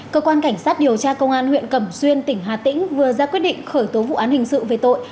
cơ quan cảnh sát điều tra công an huyện cẩm xuyên tỉnh hà tĩnh vừa ra quyết định khởi tố vụ án hình sự về tội